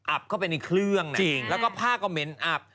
อับก็เป็นอีกเครื่องแล้วก็ผ้าก็เหม็นอับ